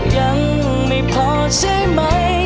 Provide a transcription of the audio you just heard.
ยังไม่พอใช่ไหม